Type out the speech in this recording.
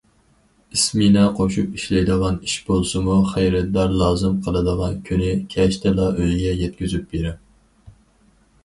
ئىسمېنا قوشۇپ ئىشلەيدىغان ئىش بولسىمۇ، خېرىدار لازىم قىلىدىغان كۈنى كەچتىلا ئۆيىگە يەتكۈزۈپ بېرىڭ.